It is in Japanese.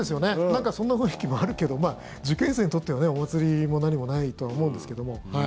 なんか、そんな雰囲気もあるけど受験生にとってはお祭りも何もないとは思うんですけども。